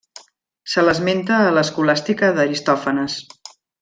Se l'esmenta a l'Escolàstica d'Aristòfanes.